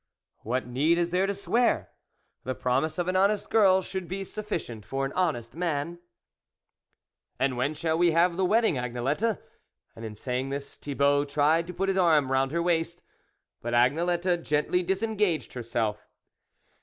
"What need is there to swear? the promise of an honest girl should be sufficient for an honest man." " And when shall we have the wedding, Agnelette ?" and in saying this, Thibault tried to put his arm round her waist. But Agnelette gently disengaged her self.